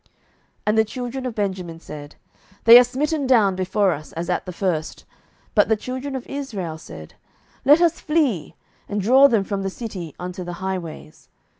07:020:032 And the children of Benjamin said, They are smitten down before us, as at the first. But the children of Israel said, Let us flee, and draw them from the city unto the highways.